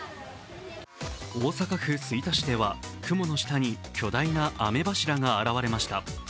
大阪府吹田市では、雲の下に、巨大な雨柱が現れました。